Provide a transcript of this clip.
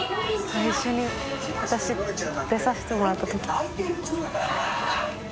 最初に私出させてもらったときだ。